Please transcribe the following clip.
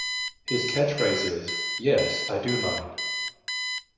His catchphrase is Yes, I do mind!